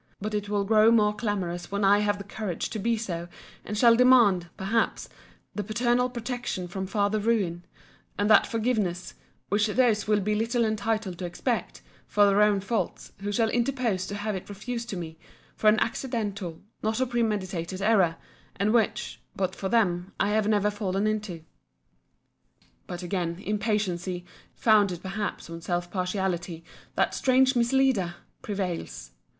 But it will grow more clamorous when I have the courage to be so, and shall demand, perhaps, the paternal protection from farther ruin; and that forgiveness, which those will be little entitled to expect, for their own faults, who shall interpose to have it refused to me, for an accidental, not a premeditated error: and which, but for them, I had never fallen into. But again, impatiency, founded perhaps on self partiality, that strange misleader! prevails.